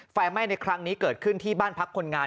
ไฟไหม้ในครั้งนี้เกิดขึ้นที่บ้านพักคนงาน